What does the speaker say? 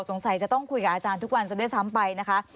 จะต้องคุยกับอาจารย์ทุกวันซะด้วยซ้ำไปนะคะ